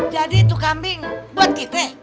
jadi itu kambing buat kita